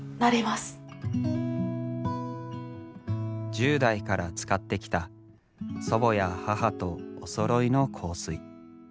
１０代から使ってきた祖母や母とおそろいの香水。